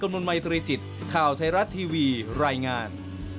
รัฐบาลกรรมนมัยตรีจิตข่าวไทยรัฐทีวีรายงาน